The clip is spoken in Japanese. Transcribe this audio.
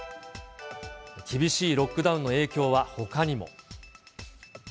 厳しいロックダウンの影響はほかにも。